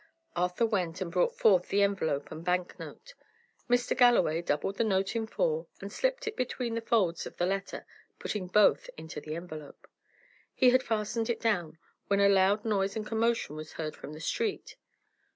Arthur went, and brought forth the envelope and bank note. Mr. Galloway doubled the note in four and slipped it between the folds of the letter, putting both into the envelope. He had fastened it down, when a loud noise and commotion was heard in the street.